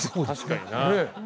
確かにな。